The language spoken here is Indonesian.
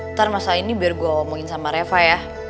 ntar masa ini biar gue ngomongin sama reva ya